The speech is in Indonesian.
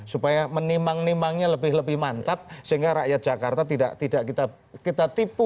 supaya menimang nimangnya lebih lebih mantap sehingga rakyat jakarta tidak kita tipu